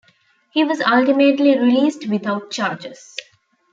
He was ultimately released without charges.